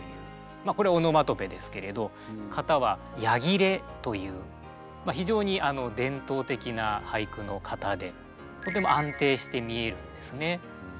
まあこれはオノマトペですけれど型は「や切れ」という非常に伝統的な俳句の型でとても安定して見えるんですね。